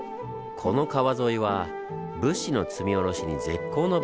この川沿いは物資の積み降ろしに絶好の場所。